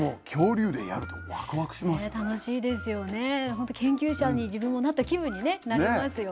本当研究者に自分もなった気分にねなりますよね。